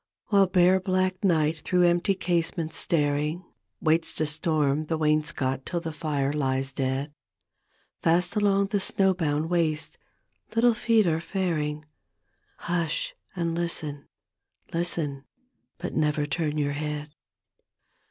While bare black night through empty casements staring Waits to storm the wainscot till the fire lies dead, Fast along the snowbound waste little feet arc faring — Hush and listen — listen — but never turn your head.